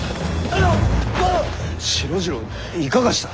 四郎次郎いかがした？